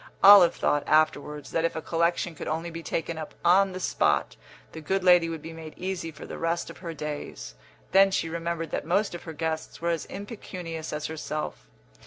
Olive thought, afterwards, that if a collection could only be taken up on the spot, the good lady would be made easy for the rest of her days; then she remembered that most of her guests were as impecunious as herself.